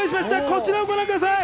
こちらをご覧ください。